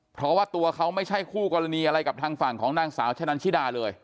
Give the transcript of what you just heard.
เพราะว่าตัวเขาไม่ใช่คู่กรณีอะไรกับทางฝั่งของนางสาวชะนันชิดาเลย